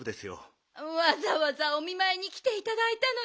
わざわざお見まいにきていただいたのにすみません。